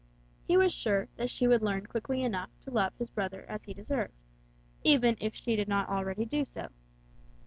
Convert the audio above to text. He was sure that she would learn quickly enough to love his brother as he deserved, even if she did not already do so.